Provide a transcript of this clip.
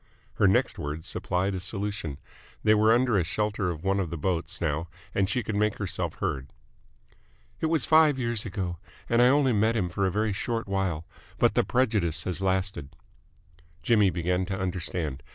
Her next words supplied a solution. They were under shelter of one of the boats now and she could make herself heard. "It was five years ago, and I only met him for a very short while, but the prejudice has lasted." Jimmy began to understand.